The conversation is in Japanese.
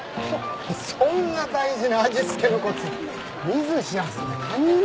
そんな大事な味付けのコツ見ず知らずの他人に？